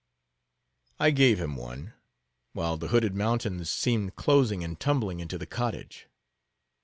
I gave him one; while the hooded mountains seemed closing and tumbling into the cottage.